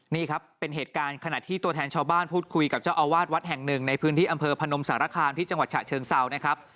นี่ครับเป็นเหตุการณ์ขณะที่ตัวแทนชาวบ้านพูดคุยกับเจ้าอาวาสวัดแห่งหนึ่งในพื้นที่อำเภอพนมสารคามที่จังหวัดฉะเชิงเซานะครับ